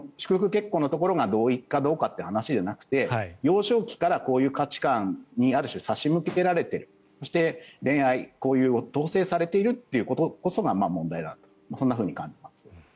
結婚のところが同意かどうかという話ではなくて幼少期からこういう価値観にある種、差し向けられているそして、恋愛、交友を統制されているということこそが問題だと感じます。